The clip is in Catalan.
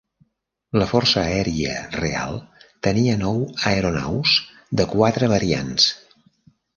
La Força Aèria real tenia nou aeronaus de quatre variants.